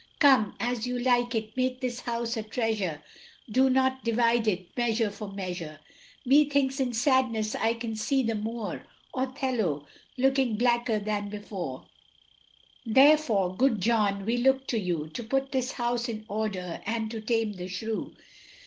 Come, As you like it, make this house a treasure, Do not divide it, Measure for Measure. Methinks in sadness I can see the Moor, Othello, looking blacker than before; Therefore, good John, we look to you To put this house in order, and to Tame the Shrew.